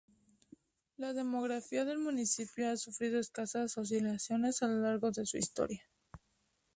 La demografía del municipio ha sufrido escasas oscilaciones a lo largo de su historia.